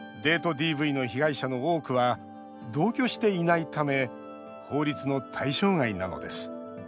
ＤＶの被害者の多くは同居していないため法律の対象外なのです。